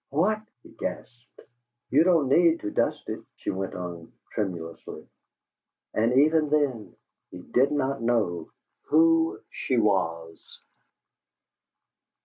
"WHAT!" he gasped. "You don't need to dust it!" she went on, tremulously. And even then he did not know who she was.